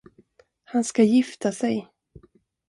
Han ska gifta sig!